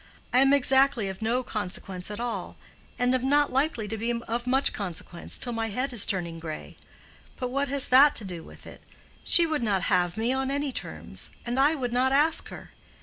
I am exactly of no consequence at all, and am not likely to be of much consequence till my head is turning gray. But what has that to do with it? She would not have me on any terms, and I would not ask her.